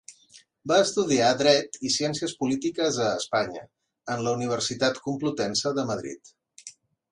Va estudiar Dret i Ciències Polítiques a Espanya, en la Universitat Complutense de Madrid.